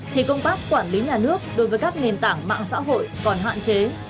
thì công tác quản lý nhà nước đối với các nền tảng mạng xã hội còn hạn chế